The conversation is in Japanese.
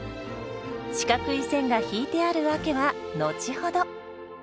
四角い線が引いてある訳は後ほど。